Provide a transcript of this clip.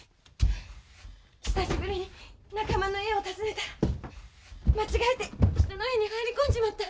久しぶりに仲間の家を訪ねたら間違えて人の家に入り込んじまった。